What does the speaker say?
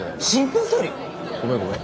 ごめんごめん。